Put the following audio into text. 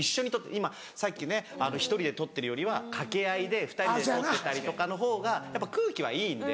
今さっきね１人でとってるよりは掛け合いで２人でとってたりとかのほうがやっぱ空気はいいんで。